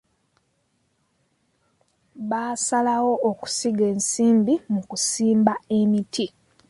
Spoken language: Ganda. Baasalawo okusiga ensimbi mu kusimba emiti.